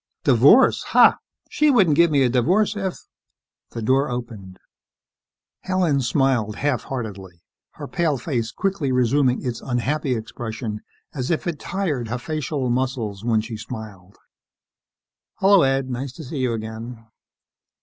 "Divorce, ha! She wouldn't give me a divorce if " The door opened. Helen smiled half heartedly, her pale face quickly resuming its unhappy expression as if it tired her facial muscles when she smiled. "Hello, Ed. Nice to see you again."